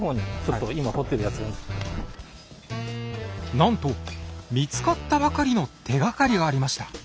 なんと見つかったばかりの手がかりがありました。